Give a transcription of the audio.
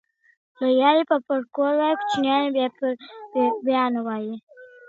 ¬ لويان ئې پر کور وايي، کوچنيان ئې پر بېبان.